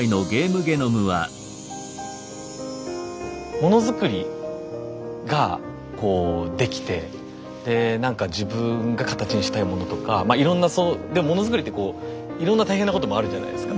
物作りがこうできてで何か自分が形にしたいものとかまあいろんなそうで物作りってこういろんな大変なこともあるじゃないですか。